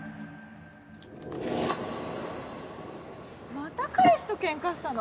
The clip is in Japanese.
また彼氏とケンカしたの？